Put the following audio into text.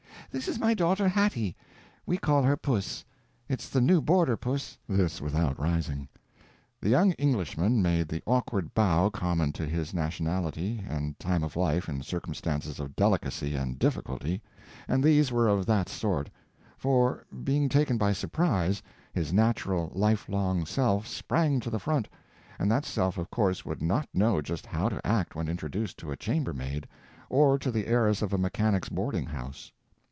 "This is my daughter Hattie—we call her Puss. It's the new boarder, Puss." This without rising. The young Englishman made the awkward bow common to his nationality and time of life in circumstances of delicacy and difficulty, and these were of that sort; for, being taken by surprise, his natural, lifelong self sprang to the front, and that self of course would not know just how to act when introduced to a chambermaid, or to the heiress of a mechanics' boarding house.